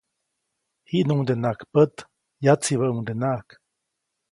Jiʼnuŋdenaʼajk pät, yatsibäʼuŋdenaʼajk.